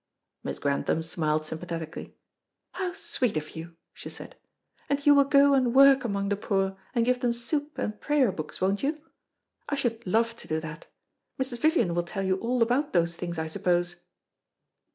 Miss Grantham smiled sympathetically. "How sweet of you," she said; "and you will go and work among the poor, and give them soup and prayer books, won't you? I should love to do that. Mrs. Vivian will tell you all about those things, I suppose?"